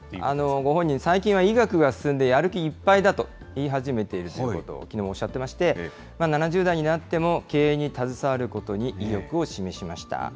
ご本人、最近は医学が進んで、やる気いっぱいだと言い始めているということを、きのうおっしゃってまして、７０代になっても経営に携わることに意欲を示しました。